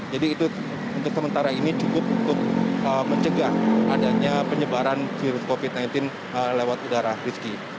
jadi itu untuk sementara ini cukup untuk mencegah adanya penyebaran virus covid sembilan belas lewat udara riski